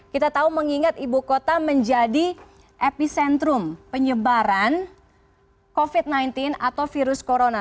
kita tahu mengingat ibu kota menjadi epicentrum penyebaran covid sembilan belas atau virus corona